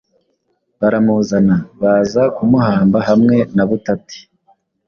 baramuzana baza kumuhamba hamwe na butati